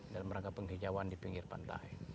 dalam rangka penghijauan di pinggir pantai